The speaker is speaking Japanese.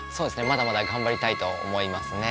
まだまだ頑張りたいと思いますね。